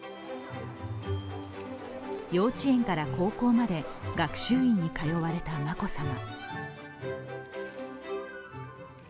幼稚園から高校まで学習院に通われた眞子さま。